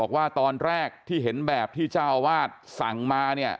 ว่าตอนแรกที่เห็นแบบที่เจ้าอาวาสสั่งมาเนี่ย